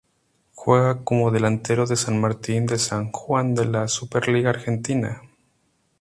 Juega como delantero en San Martín de San Juan de la Superliga Argentina.